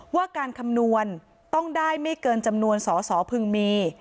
ว่าการคำนวณต้องได้ไม่เกินจำนวนสอสอพึงมี